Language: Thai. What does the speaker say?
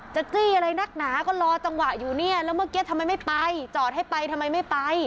จี้อะไรนักหนาก็รอจังหวะอยู่เนี่ยแล้วเมื่อกี้ทำไมไม่ไปจอดให้ไปทำไมไม่ไป